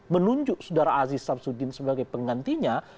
menunjuk sudara aziz sabsudin sebagai penggantinya